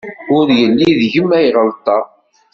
Ur yelli deg-m ay ɣelṭeɣ.